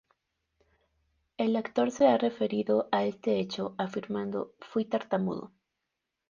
El actor se ha referido a este hecho afirmando: "Fui tartamudo.